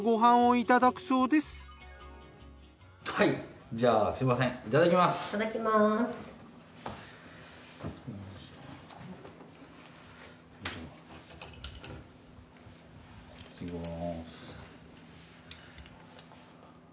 いただきます。